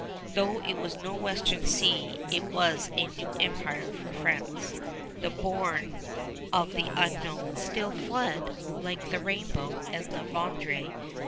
Though it was no Western Sea, it was a new empire for France. The bourne of the Unknown still fled like the rainbow, and La Vérendrye still pursued.